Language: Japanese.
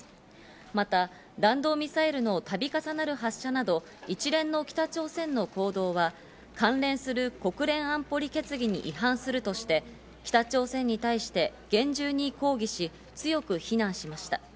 また弾道ミサイルの度重なる発射など、一連の北朝鮮の行動は関連する国連安保理決議に違反するとして、北朝鮮に対して厳重に抗議し、強く非難しました。